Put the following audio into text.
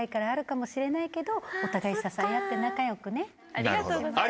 ありがとうございます。